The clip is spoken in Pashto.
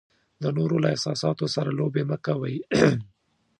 د نورو له احساساتو سره لوبې مه کوئ.